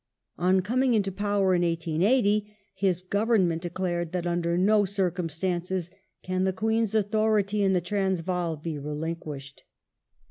On coming into power in 1880 his Government declared that " under no circumstances can the Queen's authority in the Transvaal be relinquished